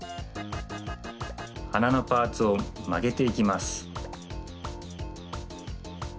はなのパーツをまげていきます。